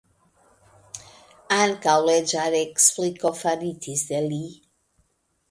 Ankaŭ leĝarekspliko faritis de li.